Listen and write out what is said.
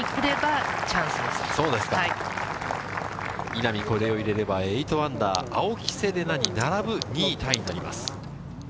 稲見、これを入れれば８アンダー、青木瀬令奈に並ぶ２位タイになります。